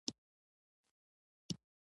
د وېښتیانو نازکوالی یې کمزوري کوي.